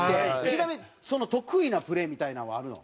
ちなみに得意なプレーみたいなんはあるの？